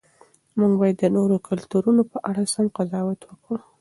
موږ باید د نورو کلتورونو په اړه سم قضاوت وکړو.